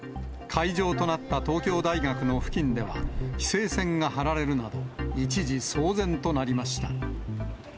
会場となった東京大学の付近では、規制線が張られるなど、一時騒然となりました。